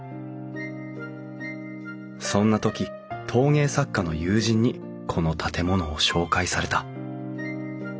そんな時陶芸作家の友人にこの建物を紹介された。